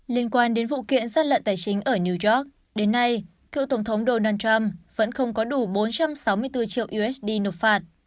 liên quan đến vụ kiện gian lận tài chính ở new york đến nay cựu tổng thống donald trump vẫn không có đủ bốn trăm sáu mươi bốn triệu usd nộp phạt